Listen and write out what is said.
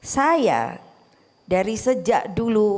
saya dari sejak dulu